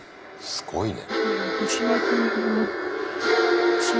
すごいね。